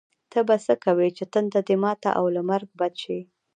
ته به څه کوې چې تنده دې ماته او له مرګه بچ شې.